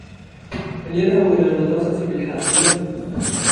هل يذهب إلى المدرسة بالحافلة؟